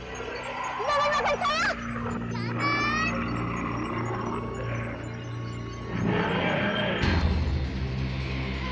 jangan makan saya